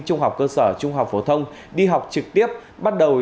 trung học cơ sở trung học phổ thông đi học trực tiếp bắt đầu